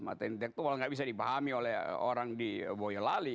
mata intelektual nggak bisa dipahami oleh orang di boyolali